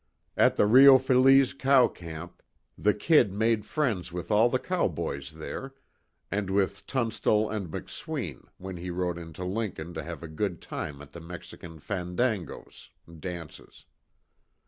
At the Rio Feliz cow camp, the "Kid" made friends with all the cowboys there, and with Tunstall and McSween, when he rode into Lincoln to have a good time at the Mexican "fandangos" (dances.)